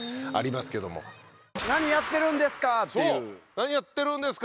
「何やってるんですか！」